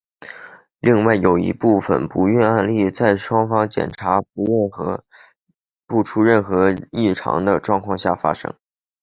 另外有一部分的不孕案例是在双方检查不出任何异常的状况下发生。